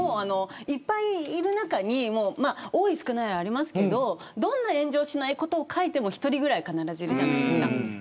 いっぱいいる中に多い少ない、ありますけれどどんな炎上しないことを書いても１人ぐらいは必ずいるじゃないですか。